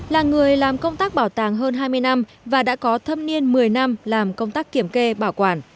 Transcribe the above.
là người làm công tác bảo tàng hơn hai mươi năm và đã có thâm niên một mươi năm làm công tác kiểm kê bảo quản